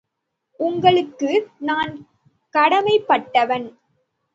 உங்களுக்கு நான் கடமைப்பட்டவன்.